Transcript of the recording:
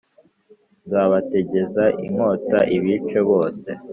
nzabategeza inkota ibice bose